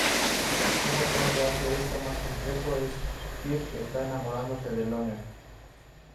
Un factor que hace esto más complejo es que Kirk está enamorándose de Lenore.